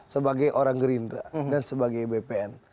sebagai orang gerindra dan sebagai bpn